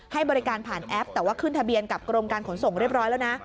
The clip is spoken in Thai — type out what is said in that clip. ให้บริการผ่านแอปแต่ว่าขึ้นทะเบียนกับกรมการขนส่งเรียบร้อยแล้วนะ